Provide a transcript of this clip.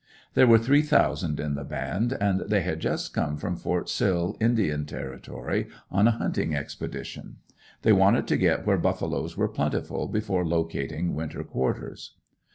There were three thousand in the band, and they had just come from Ft. Sill, Indian Territory, on a hunting expedition. They wanted to get where buffaloes were plentiful before locating winter quarters.